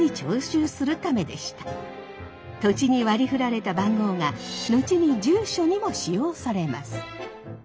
土地に割りふられた番号が後に住所にも使用されます。